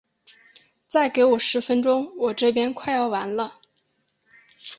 再给我十分钟，我这边快要完了。